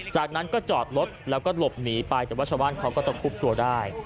จากนั้นก็จอดรถแล้วก็หลบหนีไปแต่ว่าชาวบ้านเขาก็ต้องคุบตัวได้